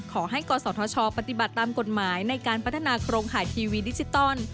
กศธชปฏิบัติตามกฎหมายในการพัฒนาโครงข่ายทีวีดิจิตอล